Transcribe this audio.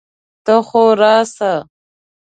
ته خو راسه!